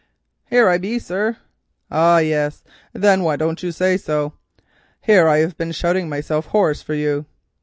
"Here I be, sir." "Ah, yes; then why didn't you say so? I have been shouting myself hoarse for you."